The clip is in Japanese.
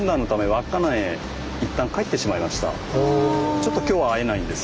ちょっと今日は会えないんです。